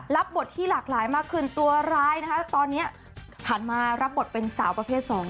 รับบทที่หลากหลายมากขึ้นตัวร้ายนะคะตอนนี้ผ่านมารับบทเป็นสาวประเภทสอง